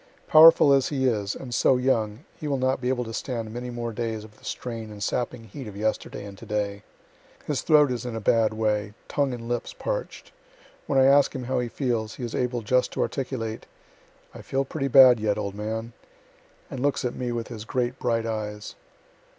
Powerful as he is, and so young, he will not be able to stand many more days of the strain and sapping heat of yesterday and to day. His throat is in a bad way, tongue and lips parch'd. When I ask him how he feels, he is able just to articulate, "I feel pretty bad yet, old man," and looks at me with his great bright eyes.